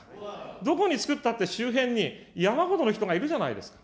どこに作ったって周辺に山ほどの人がいるじゃないですか。